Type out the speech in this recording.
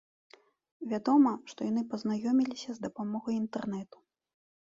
Вядома, што яны пазнаёміліся з дапамогай інтэрнэту.